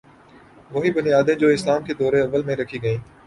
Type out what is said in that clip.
وہی بنیادیں جو اسلام کے دور اوّل میں رکھی گئیں۔